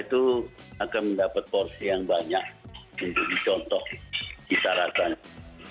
itu akan mendapat porsi yang banyak untuk dicontoh cita rasanya